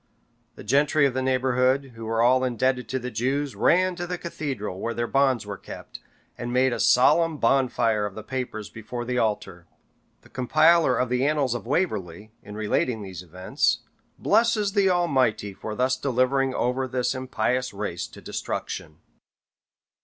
The gentry of the neighborhood, who were all indebted to the Jews, ran to the cathedral, where their bonds were kept, and made a solemn bonfire of the papers before the altar. The compiler of the Annals of Waverley, in relating these events, blesses the Almighty for thus delivering over this impious race to destruction.